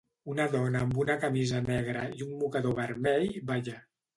Una dona amb una camisa negra i un mocador vermell balla.